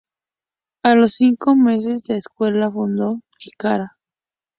A los cinco meses, la escuela fundó Chikara.